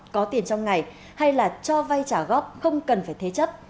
có tiền trong ngày hay là cho vay trả góp không cần phải thế chấp